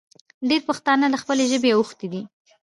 ډېر پښتانه له خپلې ژبې اوښتې دي